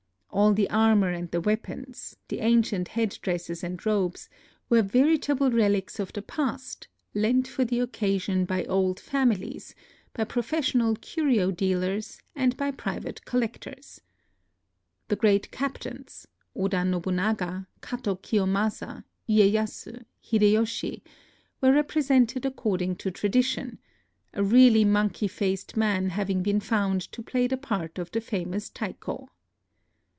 All the armor and the weapons, the ancient head dresses and robes, were veritable relics of the past, lent for the occasion by old families, by professional curio dealers, and by private collectors. The great captains — Oda Nobu naga, Kato Kiyomasa, lyeyasu, Hidej^oshi — were represented according to tradition; a really monkey faced man having been found to play the part of the famous Taiko.